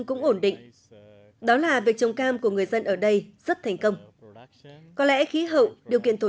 cũng ổn định đó là việc trồng cam của người dân ở đây rất thành công có lẽ khí hậu điều kiện thổ